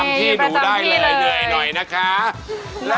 วันที่เธอพบมันในหัวใจฉัน